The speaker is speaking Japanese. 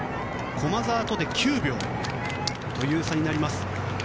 駒澤とで９秒という差になります。